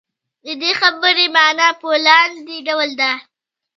د دې خبرې معنا په لاندې ډول ده.